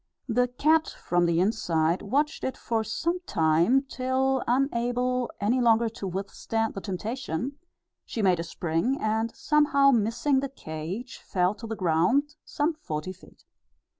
The cat, from the inside, watched it for some time till, unable any longer to withstand the temptation, she made a spring, and, somehow missing the cage, fell to the ground, some forty feet.